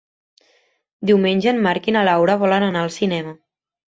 Diumenge en Marc i na Laura volen anar al cinema.